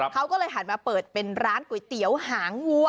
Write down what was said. เขาก็เลยหันมาเปิดเป็นร้านก๋วยเตี๋ยวหางงู